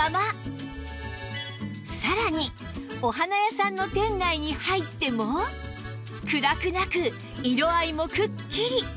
さらにお花屋さんの店内に入っても暗くなく色合いもくっきり！